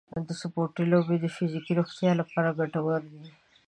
د سپورټ لوبې د فزیکي روغتیا لپاره ګټورې دي.